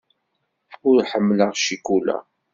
Ur ḥemmleɣ ccikula.